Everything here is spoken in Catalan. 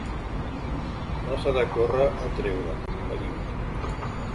“No s’ha de córrer a treure”, ha dit.